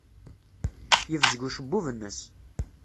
Yebzeg ucebbub-nnes.